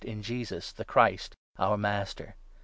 jn Jesus, the Christ, our Master.